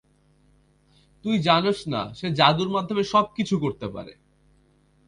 তুই জানস না, সে জাদুর মাধ্যমে সবকিছু করতে পারে।